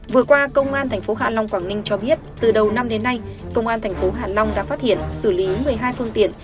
vừa qua công an tp hạ long quảng ninh cho biết từ đầu năm đến nay công an thành phố hạ long đã phát hiện xử lý một mươi hai phương tiện